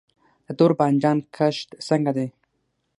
د تور بانجان کښت څنګه دی؟